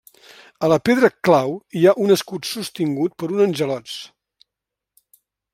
A la pedra clau hi ha un escut sostingut per uns angelots.